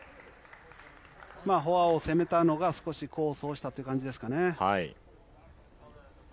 フォアを攻めたのが少し功を奏したという感じですかね。